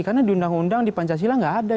karena di undang undang di pancasila nggak ada